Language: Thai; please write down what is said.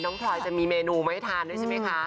พลอยจะมีเมนูมาให้ทานด้วยใช่ไหมคะ